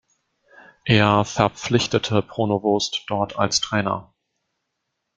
Er verpflichtete Pronovost dort als Trainer.